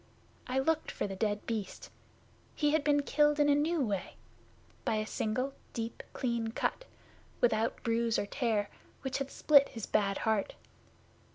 I looked for the dead Beast. He had been killed in a new way by a single deep, clean cut, without bruise or tear, which had split his bad heart.